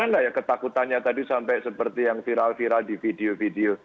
mana ya ketakutannya tadi sampai seperti yang viral viral di video video